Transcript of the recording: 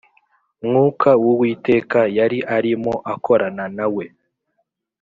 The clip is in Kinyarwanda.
Mwuka w’Uwiteka yari arimo akorana na we.